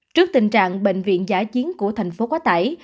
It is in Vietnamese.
trước tình trạng bệnh viện giả chiến của thành phố quá tải